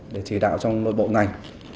để chỉ đạo trong bộ ngành